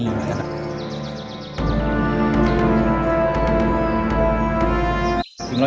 สวัสดีครับ